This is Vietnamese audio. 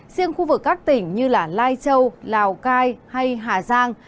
riêng khu vực các tỉnh như lai châu lào cai hay hà giang